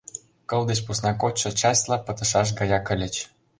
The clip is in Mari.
Кыл деч посна кодшо частьла пытышаш гаяк ыльыч.